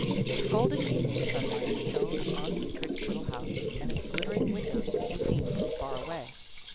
The golden evening sunlight shone on Dietrich's little house, and its glittering windows could be seen from far away.